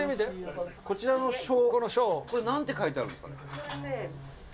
こちらの書、これなんて書いてあるんですか？